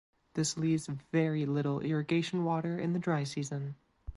This leaves very little irrigation water in the dry season.